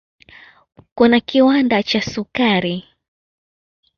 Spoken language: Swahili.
Kuna kiwanda cha sukari.